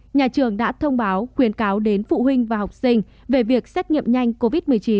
nhà trường đã thông báo khuyến cáo đến phụ huynh và học sinh về việc xét nghiệm nhanh covid một mươi chín